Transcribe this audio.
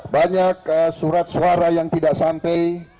banyak surat suara yang tidak sampai